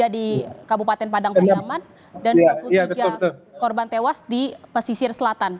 di kabupaten padang padiaman dan dua puluh tiga korban tewas di pesisir selatan